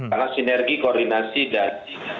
karena sinergi koordinasi dan